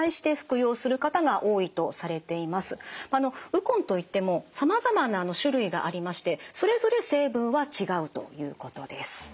ウコンといってもさまざまな種類がありましてそれぞれ成分は違うということです。